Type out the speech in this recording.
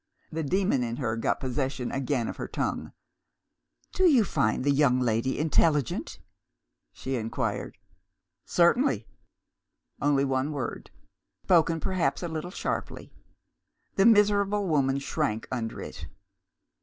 The demon in her got possession again of her tongue. "Do you find the young lady intelligent?" she inquired. "Certainly!" Only one word spoken perhaps a little sharply. The miserable woman shrank under it.